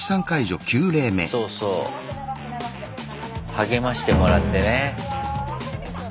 励ましてもらってね。